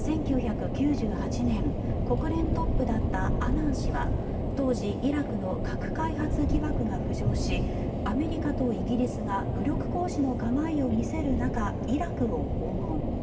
１９９８年国連トップだったアナン氏は当時、イラクの核開発疑惑が浮上しアメリカとイギリスが武力行使の構えを見せる中イラクを訪問。